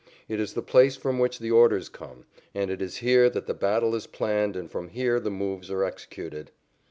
It is the place from which the orders come, and it is here that the battle is planned and from here the moves are executed.